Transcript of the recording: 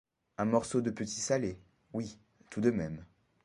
Un morceau de petit salé, oui, tout de même...